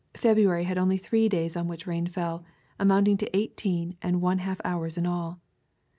February had only three days on which rain fell, amounting to eighteen and one half hours in all.